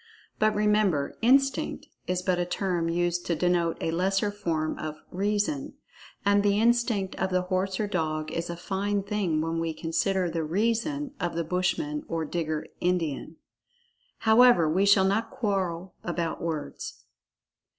But, remember, "Instinct" is but a term used to denote a lesser form of "Reason"—and the "Instinct" of the horse or dog is a fine thing when we consider the "Reason" of the Bushman or Digger In[Pg 36]dian. However, we shall not quarrel about words.